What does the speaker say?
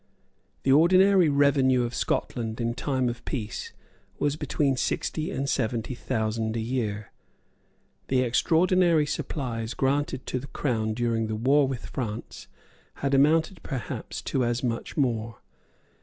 The ordinary revenue of Scotland in time of peace was between sixty and seventy thousand a year. The extraordinary supplies granted to the Crown during the war with France had amounted perhaps to as much more.